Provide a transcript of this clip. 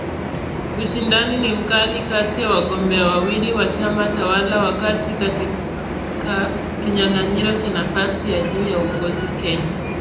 ushindani ni mkali kati ya wagombea wawili wa chama tawala wakati katika kinyang’anyiro cha nafasi ya juu ya uongozi Kenya.